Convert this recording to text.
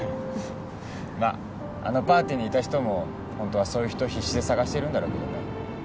まっあのパーティーにいた人もホントはそういう人必死で探してるんだろうけどね